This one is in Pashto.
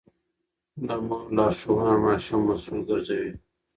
د مور لارښوونه ماشوم مسوول ګرځوي.